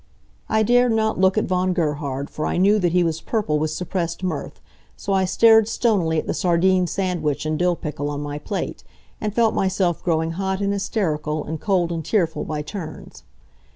I dared not look at Von Gerhard, for I knew that he was purple with suppressed mirth, so I stared stonily at the sardine sandwich and dill pickle on my plate, and felt myself growing hot and hysterical, and cold and tearful by turns.